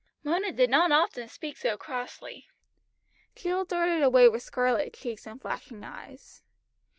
Mona did not often speak so crossly. Jill darted away from her with scarlet cheeks and flashing eyes.